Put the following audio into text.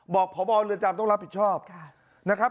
บอกพ่อพอร์เรือนจำต้องรับผิดชอบครับนะครับ